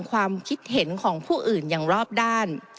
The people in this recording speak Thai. ความคิดเห็นของผู้อื่นอย่างรอบด้าน